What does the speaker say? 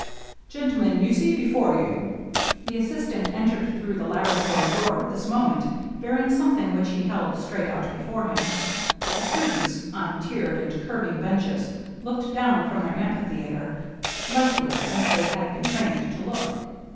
Gentlemen, you see before you "— The assistant entered through the laboratory door at this moment, bearing something which he held steaight out before him. The students, on tiered and curving benches, looked down from their amphi theatre, lightly, as they had been trained to look.